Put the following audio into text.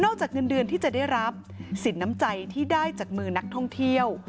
จากเงินเดือนที่จะได้รับสินน้ำใจที่ได้จากมือนักท่องเที่ยว